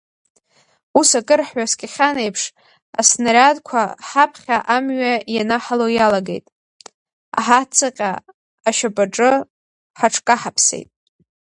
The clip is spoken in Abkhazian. Ус акыр ҳҩаскьахьан еиԥш, аснариадқәа ҳаԥхьа амҩа ианаҳало иалагеит, аҳацаҟьа ашьапаҿы ҳаҽкаҳаԥсеит.